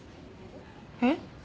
えっ？